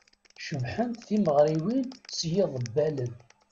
Cebḥent tmeɣriwin s yiḍebbalen.